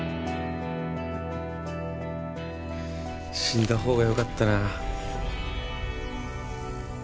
死んだほうがよかったなあ。